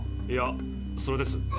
いやそれです。